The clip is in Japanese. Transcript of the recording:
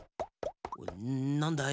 なんだい？